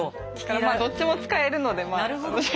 どっちも使えるのでまあ。